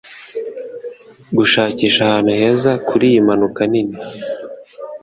gushakisha ahantu heza kuriyi mpanuka nini